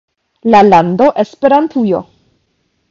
La lando Esperantujo.